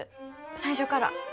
最初から。